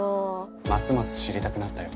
ますます知りたくなったよ